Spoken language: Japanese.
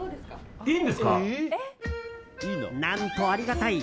何とありがたい。